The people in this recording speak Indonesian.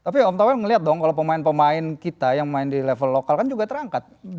tapi om tawel ngeliat dong kalau pemain pemain kita yang main di level lokal kan juga terangkat